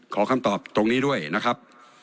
ขอคำตอบตรงนี้ด้วยนะครับ